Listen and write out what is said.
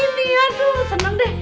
aduh seneng deh